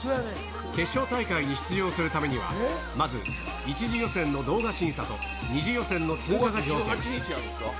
決勝大会に出場するためには、まず１次予選の動画審査と、２次予選の通過が必須。